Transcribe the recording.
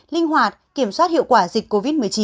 linh hoạt kiểm soát hiệu quả dịch covid một mươi chín